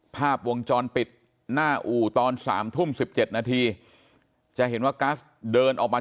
ภาพวงจรปิดหน้าอู่ตอน๓ทุ่ม๑๗นาทีจะเห็นว่ากัสเดินออกมา